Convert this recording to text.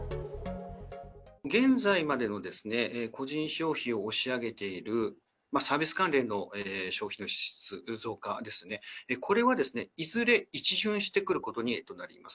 現在までの個人消費を押し上げているサービス関連の消費の支出増加はですね、これはいずれ一巡してくることになります。